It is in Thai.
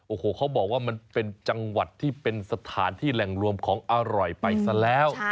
โอ้โหเขาบอกว่ามันเป็นจังหวัดที่เป็นสถานที่แหล่งรวมของอร่อยไปซะแล้ว